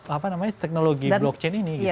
apa namanya teknologi blockchain ini gitu